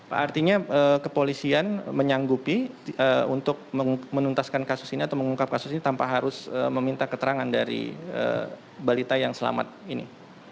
pak artinya kepolisian menyanggupi untuk menuntaskan kasus ini atau mengungkap kasus ini tanpa harus meminta keterangan dari balita yang selamat ini